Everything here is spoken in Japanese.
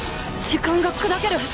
時間が砕ける？